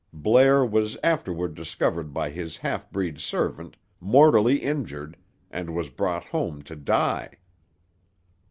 Blair was afterward discovered by his half breed servant, mortally injured, and was brought home to die."